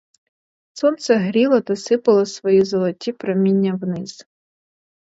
Сонце гріло та сипало свої золоті проміння вниз.